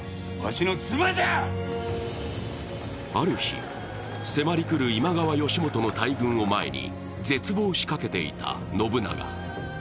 ある日、迫り来る今川義元の大軍を前に、絶望しかけていた信長。